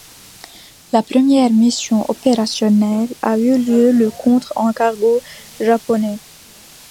La première mission opérationnelle a eu lieu le contre un cargo japonais.